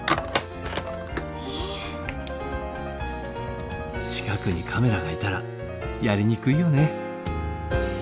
近くにカメラがいたらやりにくいよね。